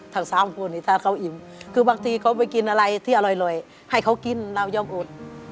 ทั้งสามคนนี้ถ้าเขาอิ่มคือบางทีเขาไปกินอะไรที่อร่อยให้เขากินเรายอมอด